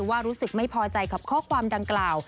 รู้สึกไม่พอใจกับข้อความดังกล่าว